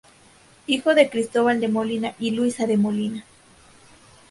Hijo de Cristóbal de Molina y Luisa de Molina.